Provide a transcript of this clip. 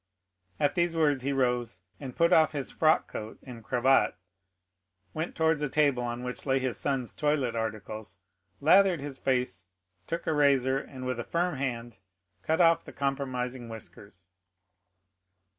At these words he rose, and put off his frock coat and cravat, went towards a table on which lay his son's toilet articles, lathered his face, took a razor, and, with a firm hand, cut off the compromising whiskers.